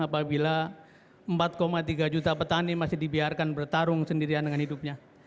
apabila empat tiga juta petani masih dibiarkan bertarung sendirian dengan hidupnya